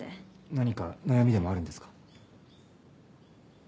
何か悩みでもあるんですか？